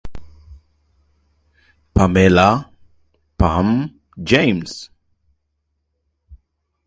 Pamela "Pam" James.